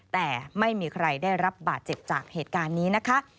แต่ไม่มีใครได้รับบาดเจ็บจากเหตุการณ์นี้นะคะ